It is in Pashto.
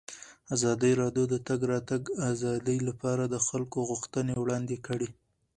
ازادي راډیو د د تګ راتګ ازادي لپاره د خلکو غوښتنې وړاندې کړي.